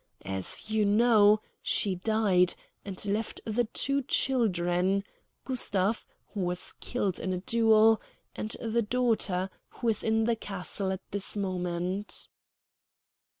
As you know, she died, and left the two children Gustav, who was killed in a duel, and the daughter, who is in the castle at this moment."